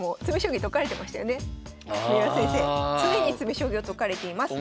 三浦先生常に詰将棋を解かれています。